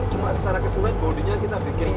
cuma secara keseluruhan bodinya kita bikin